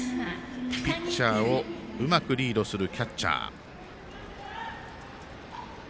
ピッチャーをうまくリードするキャッチャー。